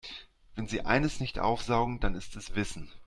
Wenn sie eines nicht aufsaugen, dann ist es Wissen.